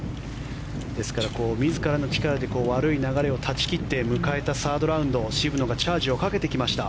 ですから、自らの力で悪い流れを断ち切って迎えたサードラウンド渋野がチャージをかけてきました。